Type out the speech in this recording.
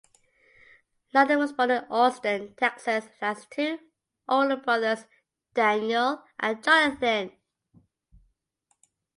London was born in Austin, Texas, and has two older brothers, Daniel and Jonathan.